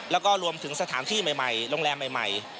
แล้วก็รวมถึงสถานที่ใหม่โรงแรมใหม่